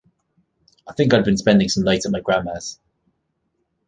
I think I'd been spending some nights at my grandma's.